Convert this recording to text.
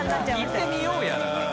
「行ってみようや」だから。